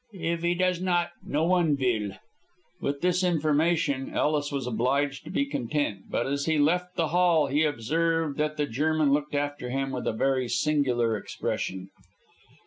If he does not, no one vill." With this information Ellis was obliged to be content, but as he left the hall he observed that the German looked after him with a very singular expression.